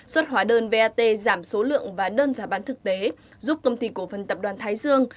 xuất hóa đơn vat giảm số lượng và đơn giá bán thực tế giúp công ty cổ phần tập đoàn thái dương